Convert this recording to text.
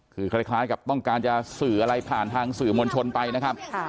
คือคล้ายกับต้องการจะสื่ออะไรผ่านทางสื่อมวลชนไปนะครับ